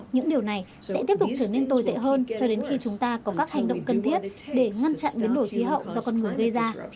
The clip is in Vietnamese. những điều này sẽ tiếp tục trở nên tồi tệ hơn cho đến khi chúng ta có các hành động cần thiết để ngăn chặn biến đổi khí hậu do con người gây ra